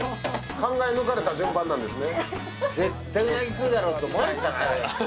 考え抜かれた順番なんですね。